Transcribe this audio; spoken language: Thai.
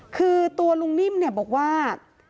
คือตัวลุงนิ่มบอกว่า